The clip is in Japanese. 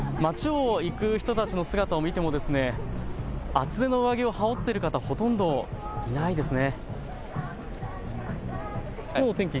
街を行く人たちの姿を見ても厚手の上着を羽織ってる方、ほとんどいないですね。